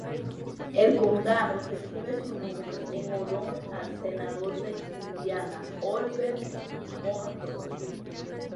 El condado recibe su nombre en honor al Senador de Indiana Oliver Morton.